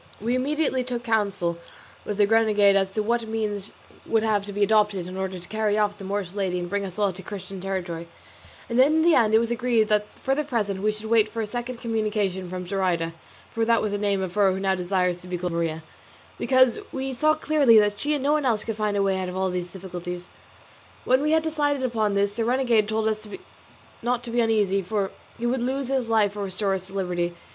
We immediately took counsel with the renegade as to what means would have to be adopted in order to carry off the Moorish lady and bring us all to Christian territory; and in the end it was agreed that for the present we should wait for a second communication from Zoraida (for that was the name of her who now desires to be called Maria), because we saw clearly that she and no one else could find a way out of all these difficulties. When we had decided upon this the renegade told us not to be uneasy, for he would lose his life or restore us to liberty.